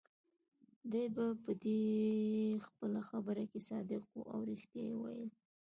دی په دې خپله خبره کې صادق وو، او ريښتیا يې ویل.